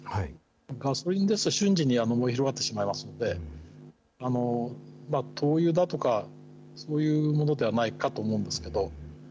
ガソリンですと、瞬時に燃え広がってしまいますので、灯油だとかそういうものではないかと思うんですけど。